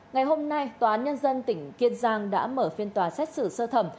ngày hôm nay tòa án nhân dân tỉnh kiên giang đã mở phiên tòa xét xử sơ thẩm